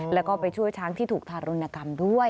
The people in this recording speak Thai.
แล้วก็ไปช่วยช้างที่ถูกทารุณกรรมด้วย